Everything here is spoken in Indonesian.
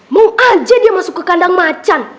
mau aja dia masuk ke kandang macan